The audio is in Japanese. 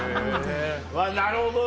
なるほどね。